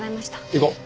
行こう。